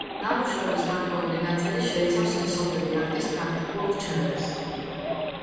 ნამუშევრის გარკვეული ნაწილი შეიცავს სქესობრივი აქტის პრაქტიკულ რჩევებს.